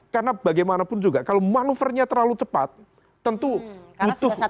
karena bagaimanapun juga kalau manuvernya terlalu cepat tentu butuh usaha